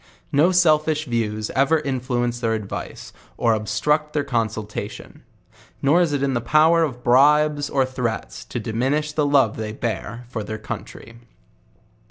No sel fish views ever influence their advice, or obstruct their con sultation. Nor is it in the power of bribes or threats to di minish the love they bear their country.